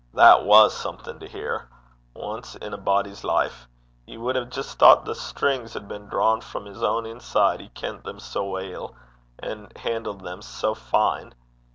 That was something to hear ance in a body's life. Ye wad hae jist thoucht the strings had been drawn frae his ain inside, he kent them sae weel, and han'led them sae fine.